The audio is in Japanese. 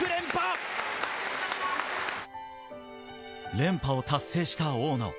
連覇を達成した大野。